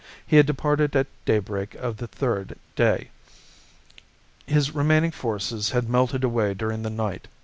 He had departed at daybreak of the third day. His remaining forces had melted away during the night.